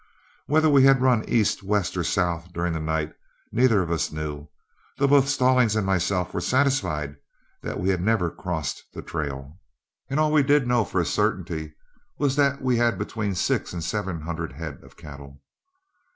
Whether we had run east, west, or south during the night neither of us knew, though both Stallings and myself were satisfied that we had never crossed the trail, and all we did know for a certainty was that we had between six and seven hundred head of cattle.